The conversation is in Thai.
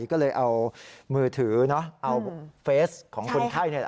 ก็เลยเอามือถือเอาเฟสของคนไข้